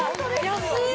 安い！